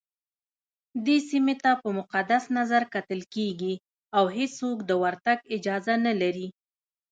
دې سيمي ته په مقدس نظرکتل کېږي اوهيڅوک دورتګ اجازه نه لري